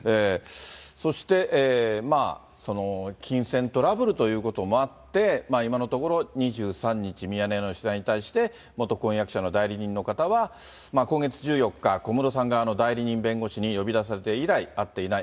そして、金銭トラブルということもあって、今のところ、２３日、ミヤネ屋の取材に対して、元婚約者の代理人の方は、今月１４日、小室さん側の代理人弁護士に呼び出されて以来、会っていない。